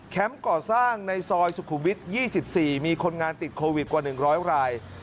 แคมป์ก่อสร้างในซอยสุขุมวิทยี่สิบสี่มีคนงานติดโควิดกว่าหนึ่งร้อยราย